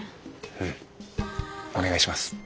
うんお願いします。